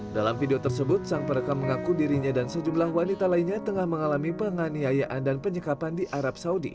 dalam video tersebut sang perekam mengaku dirinya dan sejumlah wanita lainnya tengah mengalami penganiayaan dan penyekapan di arab saudi